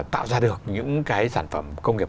tạo ra được những cái sản phẩm công nghiệp